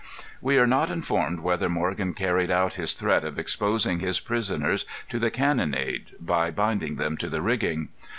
We are not informed whether Morgan carried out his threat of exposing his prisoners to the cannonade by binding them to the rigging.